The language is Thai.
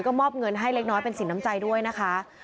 ก็มอบเงินให้เล็กน้อยเป็นสินน้ำใจด้วยนะคะ